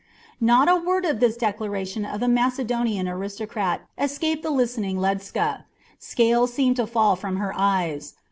Not a word of this declaration of the Macedonian aristocrat escaped the listening Ledscha. Scales seemed to fall from her eyes.